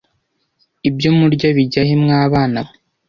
ibyo murya bijya he mwabana mwe